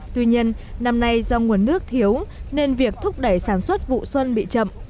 tuy nhiên năm nay do nguồn nước thiếu nên việc thúc đẩy sản xuất vụ xuân bị chậm